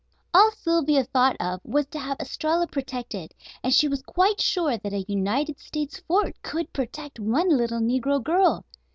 All Sylvia thought of was to have Estralla protected, and she was quite sure that a United States fort could protect one little negro girl.